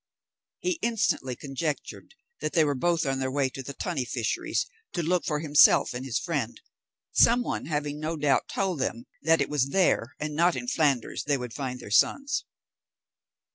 He instantly conjectured that they were both on their way to the tunny fisheries to look for himself and his friend, some one having no doubt told them that it was there, and not in Flanders, they would find their sons.